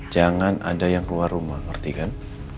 jangan ada yang keluar rumah ngerti kan